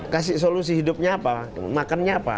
kasih solusi hidupnya apa makannya apa